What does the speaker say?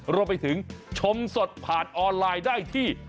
รวมไปถึงชมสดผ่านออนไลน์ได้ที่